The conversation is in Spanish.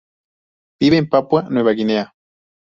Vive en Papua Nueva Guinea.